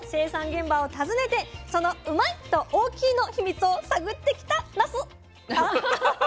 現場を訪ねてそのうまいッ！と大きいの秘密を探ってきたナス！